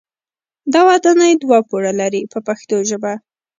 دا ودانۍ دوه پوړه لري په پښتو ژبه.